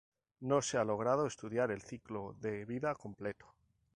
No se ha logrado estudiar el ciclo de vida completo.